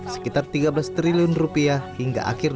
sekitar rp tiga belas triliun hingga akhir dua ribu sembilan belas